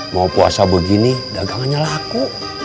mau puasa begini dagangannya laku